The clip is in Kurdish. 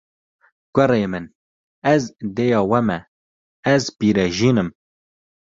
Kurê min, ez dêya we me, ez pîrejin im